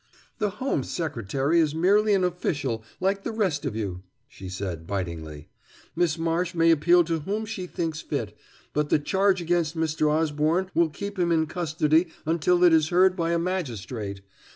"The Home Secretary is merely an official like the rest of you," she said bitingly. "Miss Marsh may appeal to whom she thinks fit, but the charge against Mr. Osborne will keep him in custody until it is heard by a magistrate.